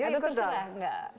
ya itu terserah